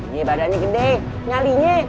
iya badannya gede ngalinya